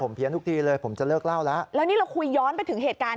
เพี้ยนทุกทีเลยผมจะเลิกเล่าแล้วแล้วนี่เราคุยย้อนไปถึงเหตุการณ์